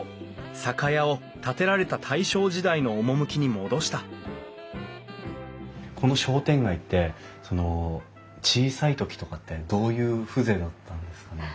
酒屋を建てられた大正時代の趣に戻したこの商店街って小さい時とかってどういう風情だったんですか？